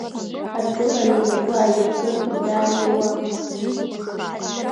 Аргылара инапы аиркыр заа ируамызт?